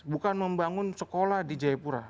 bukan membangun sekolah di jayapura